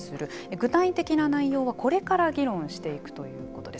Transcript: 具体的な内容はこれから議論していくということです。